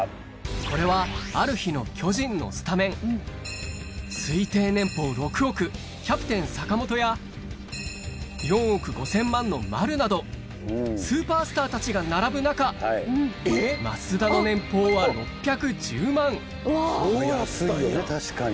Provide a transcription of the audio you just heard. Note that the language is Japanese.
これはある日の推定年棒６億キャプテン・坂本や４億５０００万の丸などスーパースターたちが並ぶ中増田の年棒は６１０万安いよね